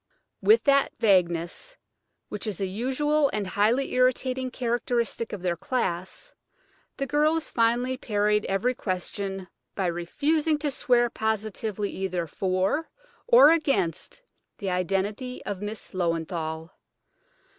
With that vagueness which is a usual and highly irritating characteristic of their class, the girls finally parried every question by refusing to swear positively either for or against the identity of Miss Löwenthal.